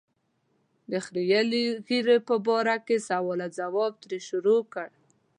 د خرییلې ږیرې په باره کې سوال او ځواب ترې شروع کړ.